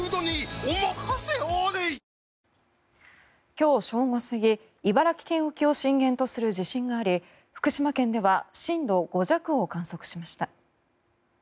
今日正午過ぎ茨城県沖を震源とする地震があり福島県では震度５弱を観測しました。